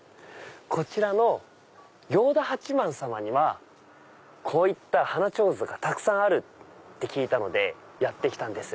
こちらの行田八幡さまにはこういった花手水がたくさんあるって聞いたのでやって来たんです。